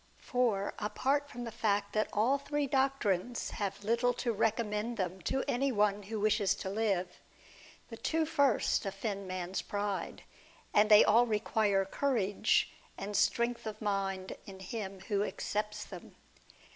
For, apart from the fact that all three doctrines have little to recommend them to any one who wishes to live, the two first offend man's pride, and they all require courage and strength of mind in him who accepts them.